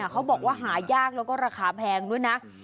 เขาบอกว่าหายากแล้วก็ราคาแพงด้วยนะ